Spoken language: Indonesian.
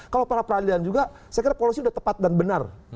kalau peradilan juga saya kira polisi sudah tepat dan benar